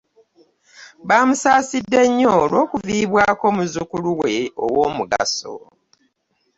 Bumusaasidde nnyo olw'okuviibwako omuzzukulu we ow'omugaso.